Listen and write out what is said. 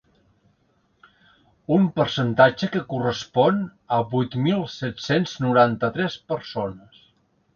Un percentatge que correspon a vuit mil set-cents noranta-tres persones.